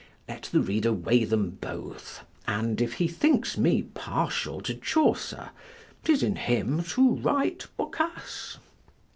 Let the reader weigh them both; and if he thinks me partial to Chaucer, 't is in him to right Boccace.